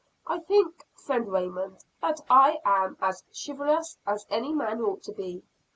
I think, friend Raymond, that I am as chivalrous as any man ought to be.